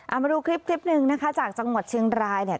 เอามาดูคลิปคลิปหนึ่งนะคะจากจังหวัดเชียงรายเนี่ย